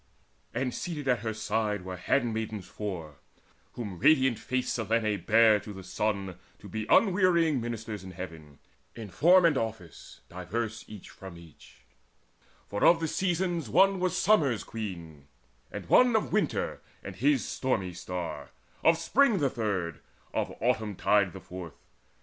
And seated at her side were handmaids four Whom radiant faced Selene bare to the Sun To be unwearying ministers in Heaven, In form and office diverse each from each; For of these Seasons one was summer's queen, And one of winter and his stormy star, Of spring the third, of autumn tide the fourth.